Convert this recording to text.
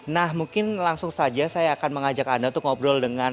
nah mungkin langsung saja saya akan mengajak anda untuk ngobrol dengan